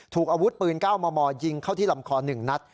ถูกอาวุธปืนก้าวมอมอยิงเข้าที่ลำคอหนึ่งนัด